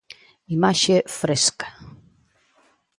Imaxe fresca.